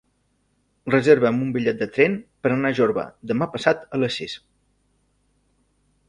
Reserva'm un bitllet de tren per anar a Jorba demà passat a les sis.